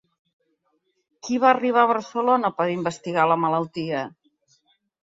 Qui va arribar a Barcelona per a investigar la malaltia?